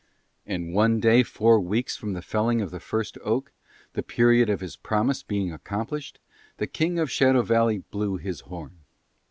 And one day four weeks from the felling of the first oak, the period of his promise being accomplished, the King of Shadow Valley blew his horn.